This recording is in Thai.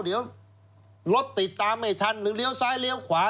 เดี๋ยวรถติดตามไม่ทันหรือเลี้ยวซ้ายเลี้ยวขวา